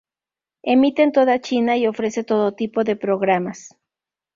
Emite en toda China y ofrece todo tipo de programas.